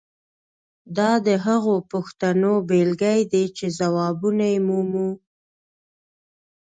دا د هغو پوښتنو بیلګې دي چې ځوابونه یې مومو.